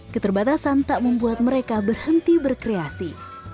keterbatasan tak membuat mereka berhenti berkreasi